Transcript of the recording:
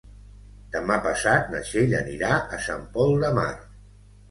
Demà passat na Txell anirà a Sant Pol de Mar.